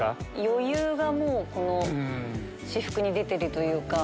余裕が私服に出てるというか。